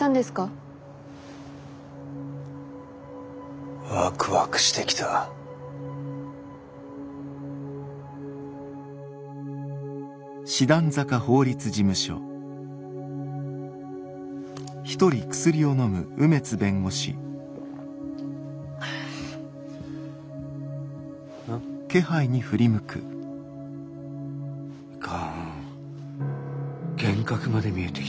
いかん幻覚まで見えてきたか。